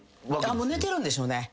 もう寝てるんでしょうね。